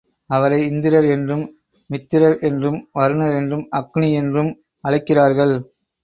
அவரை இந்திரர் என்றும், மித்திரர் என்றும், வருணர் என்றும், அக்னி என்றும் அழைக்கிறார்கள்.